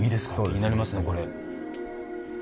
気になりますねこれ。